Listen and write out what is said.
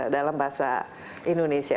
dalam bahasa indonesia